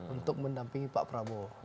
untuk mendampingi pak prabowo